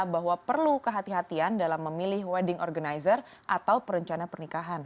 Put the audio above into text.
bahwa perlu kehatian dalam memilih wedding organizer atau perencana pernikahan